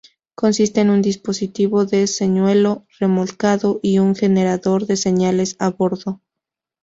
Consiste en un dispositivo de señuelo remolcado y un generador de señales a bordo.